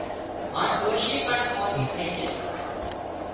هانَ ڏوشي پڻ مانۮِي ٿئي جھئي